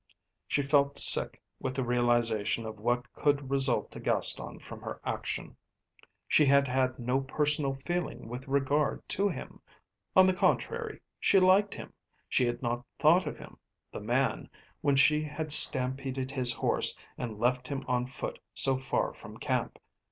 She felt sick with the realisation of what could result to Gaston from her action. She had had no personal feeling with regard to him. On the contrary, she liked him she had not thought of him, the man, when she had stampeded his horse and left him on foot so far from camp.